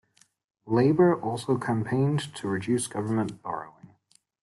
Labour also campaigned to reduce government borrowing.